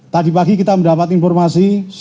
tadi pagi kita mendapat informasi